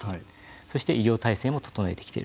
そして医療体制も整えてきている。